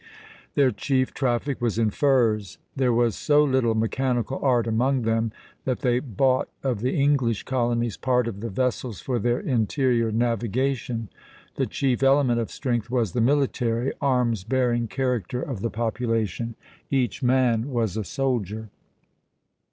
Their chief traffic was in furs. There was so little mechanical art among them that they bought of the English colonies part of the vessels for their interior navigation. The chief element of strength was the military, arms bearing character of the population; each man was a soldier.